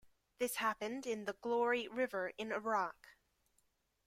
This happened in the Glory River in Iraq.